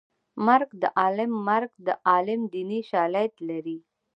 مرګ د عالم مرګ د عالم دیني شالید لري